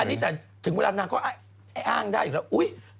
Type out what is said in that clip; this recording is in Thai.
ถึงเวลานั้นก็อ้างได้อยู่แล้ว